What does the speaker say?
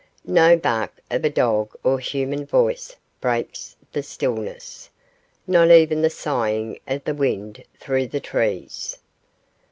No bark of a dog or human voice breaks the stillness; not even the sighing of the wind through the trees.